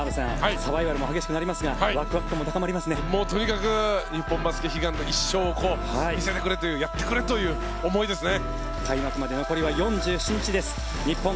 サバイバルも激しくなりますがとにかく日本バスケ悲願の１勝を見せてくれというやってくれという思いですね。